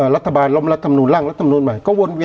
ราธาบาลล่อมรัฐธรรมโนนล่างรัฐธรรมโนนมันก็วนเหวง